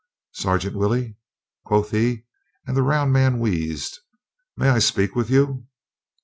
"Sergeant Willey?" quoth he and the round man wheezed. "May I speak with you?"